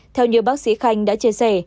theo như bác sĩ khanh đã chia sẻ